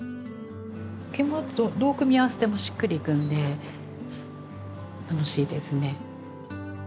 着物だとどう組み合わせてもしっくりいくので楽しいですね。